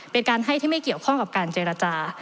เป็นการให้ที่ไม่เกี่ยวข้องกับการเจรจา